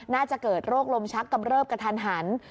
น่าจะเกิดโรคลมชักกำเริบกระทันหัน